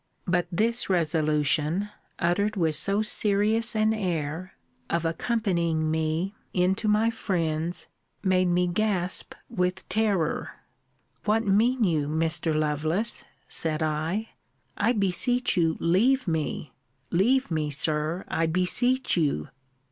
But this resolution, uttered with so serious an air, of accompanying me in to my friends, made me gasp with terror. What mean you, Mr. Lovelace? said I: I beseech you leave me leave me, Sir, I beseech you.